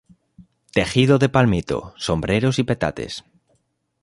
Tejido de palmito: sombreros y petates.